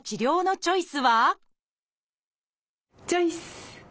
チョイス！